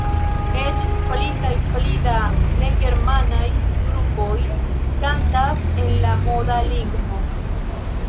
Eĉ pli kaj pli da negermanaj grupoj kantas en la moda lingvo.